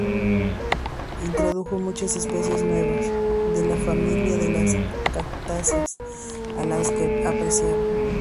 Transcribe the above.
Introdujo muchas especies nuevas, de la familia de las cactáceas, a las que apreciaba.